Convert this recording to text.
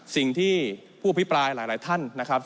สิ่งที่ผู้อภิปรายหลายท่านนะครับ